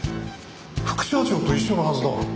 副社長と一緒のはずだろう。